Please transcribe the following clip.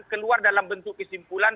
keluar dalam bentuk kesimpulan